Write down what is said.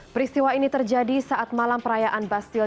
peristiwa ini terjadi saat malam perayaan bastil